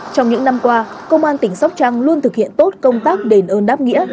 trong những năm qua công an tỉnh sóc trăng luôn thực hiện tốt công tác đền ơn đáp nghĩa